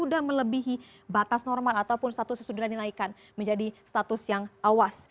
sudah melebihi batas normal ataupun status sesudah dinaikkan menjadi status yang awas